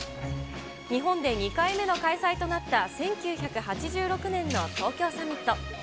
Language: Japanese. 日本で２回目の開催となった１９８６年の東京サミット。